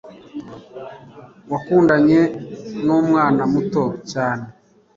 wakundanye numwana muto cyane